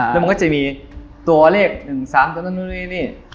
ตัวเลข๑ไปตรงตรงนี้